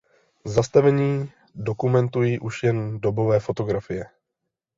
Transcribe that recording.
Zastavení dokumentují už jen dobové fotografie.